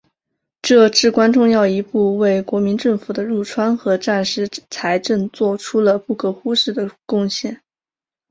这至关重要一步为国民政府的入川和战时财政作出了不可忽视的贡献。